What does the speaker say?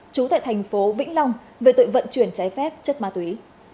trú tại thành phố vĩnh long về tội vận chuyển trái phép chất ma túy